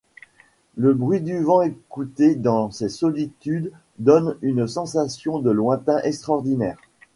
Le bruit du vent écouté dans ces solitudes donne une sensation de lointain extraordinaire.